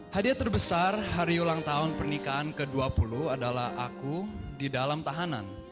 hadiah terbesar hari ulang tahun pernikahan ke dua puluh adalah aku di dalam tahanan